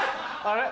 あれ？